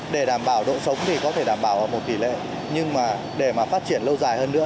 để đảm bảo độ sống thì có thể đảm bảo một tỷ lệ nhưng mà để mà phát triển lâu dài hơn nữa